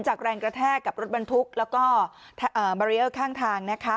แรงกระแทกกับรถบรรทุกแล้วก็บารีเออร์ข้างทางนะคะ